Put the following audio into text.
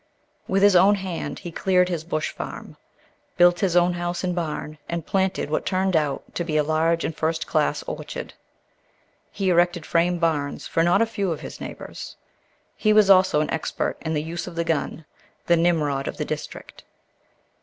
With his own hand he cleared his bush farm, built his own house and barn, and planted what turned out to be a large and first class orchard. He erected frame barns for not a few of his neighbors. He was also an expert in the use of the gun—the Nimrod of the district.